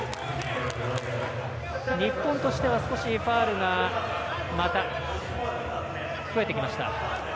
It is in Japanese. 日本としては少しファウルがまた増えてきました。